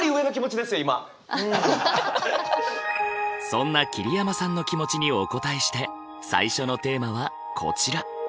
そんな桐山さんの気持ちにお応えして最初のテーマはこちら。